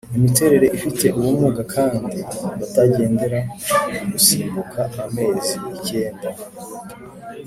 imiterere ifite ubumuga kandi butagendera ku gusimbuka amezi icyenda.